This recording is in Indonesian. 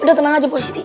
udah tenang aja pak siti